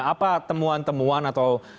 apa temuan temuan atau